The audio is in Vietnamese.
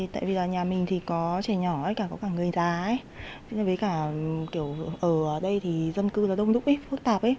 tại vì nhà mình có trẻ nhỏ có cả người già ở đây dân cư rất đông lúc phức tạp